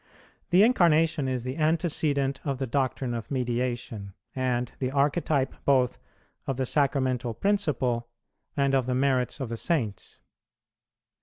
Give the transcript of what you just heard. The Incarnation is the antecedent of the doctrine of Mediation, and the archetype both of the Sacramental principle and of the merits of Saints.